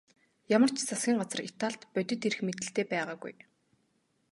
Ямар ч засгийн газар Италид бодит эрх мэдэлтэй байгаагүй.